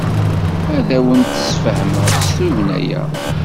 Ad awent-d-sfehmen s tugna-a.